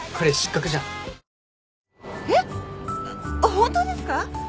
本当ですか？